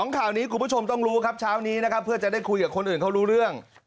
ข่าวนี้คุณผู้ชมต้องรู้ครับเช้านี้นะครับเพื่อจะได้คุยกับคนอื่นเขารู้เรื่อง